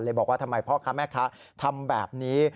บอกว่าทำไมพ่อค้าแม่ค้าทำแบบนี้